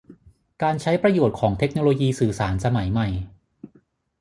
การใช้ประโยชน์ของเทคโนโลยีสื่อสารสมัยใหม่